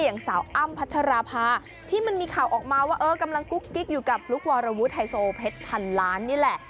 อย่างสาวอ้ำพัชราภาที่มันมีข่าวออกมาว่าเออกำลังกุ๊กกิ๊กอยู่กับฟลุ๊กวารวุฒิไฮโซเพชรพันล้านนี่แหละ